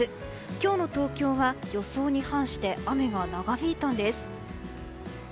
今日の東京は、予想に反して雨が長引いたんです。